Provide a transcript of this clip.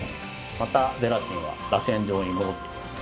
またゼラチンはらせん状に戻ってきます。